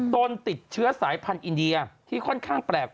ตนติดเชื้อสายพันธุ์อินเดียที่ค่อนข้างแปลก